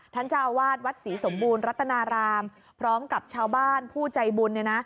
ท่านเจ้าวาดวัดศรีสมบูรณ์รัตนารามพร้อมกับชาวบ้านผู้ใจบุญ